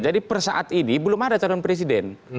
jadi persaat ini belum ada calon presiden